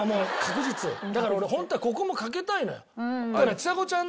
だから俺本当はここもかけたいのよ。